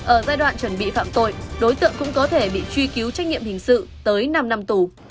ở giai đoạn chuẩn bị phạm tội đối tượng cũng có thể bị truy cứu trách nhiệm hình sự tới năm năm tù